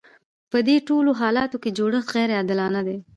په دې ټولو حالاتو کې جوړښت غیر عادلانه دی.